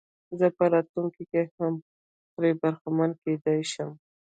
زه په راتلونکي کې هم ترې برخمن کېدلای شم.